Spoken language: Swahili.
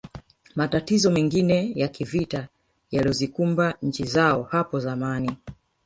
Matatizo mengine ya kivita yaliyozikumba nchi zao hapo zamani